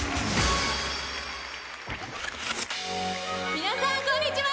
皆さんこんにちは！